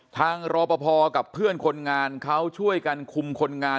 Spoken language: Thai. รอปภกับเพื่อนคนงานเขาช่วยกันคุมคนงาน